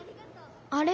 あれ？